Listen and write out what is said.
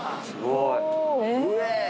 すごい。